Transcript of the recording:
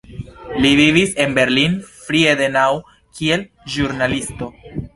Li vivis en Berlin-Friedenau kiel ĵurnalisto.